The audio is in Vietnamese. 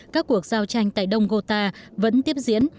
các cuộc giao tranh tại đông gota vẫn tiếp diễn